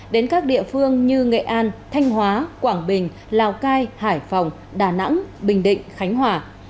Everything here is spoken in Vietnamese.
đến các địa phương như nghệ an thanh hóa quảng bình lào cai hải phòng đà nẵng bình định khánh hòa